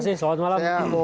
terima kasih selamat malam